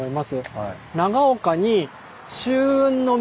はい。